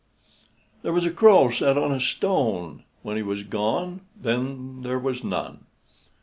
There was a crow sat on a stone, When he was gone, then there was none.